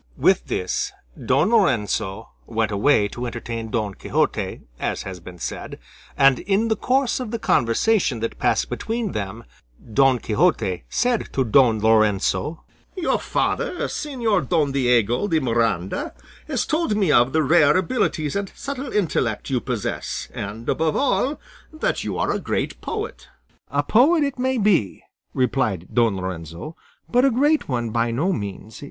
With this Don Lorenzo went away to entertain Don Quixote as has been said, and in the course of the conversation that passed between them Don Quixote said to Don Lorenzo, "Your father, Señor Don Diego de Miranda, has told me of the rare abilities and subtle intellect you possess, and, above all, that you are a great poet." "A poet, it may be," replied Don Lorenzo, "but a great one, by no means.